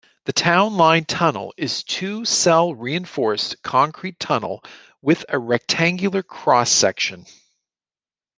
The Townline Tunnel is a two-cell reinforced concrete tunnel with a rectangular cross-section.